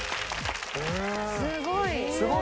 すごい！